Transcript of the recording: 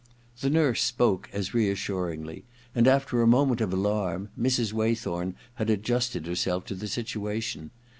The nurse spoke as reassuringly, and after a moment of alarm Mrs. Waythorn had adjusted herself to the situation.